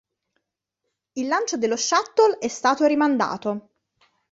Il lancio dello Shuttle è stato rimandato.